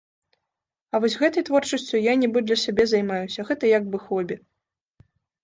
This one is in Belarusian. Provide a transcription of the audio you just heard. А вось гэтай творчасцю я нібы для сябе займаюся, гэта як бы хобі.